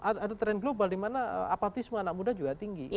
dalam politik kan ada trend global dimana apatisme anak muda juga tinggi